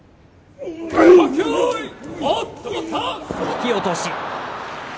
引き落とし。